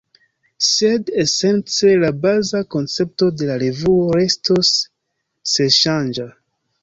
Sed esence la baza koncepto de la revuo restos senŝanĝa.